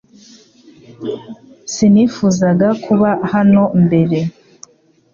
Sinifuzaga kuba hano mbere